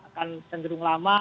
akan sendirung lama